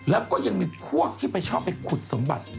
แล้วก็ยังมีพวกที่ไปชอบไปขุดสมบัติ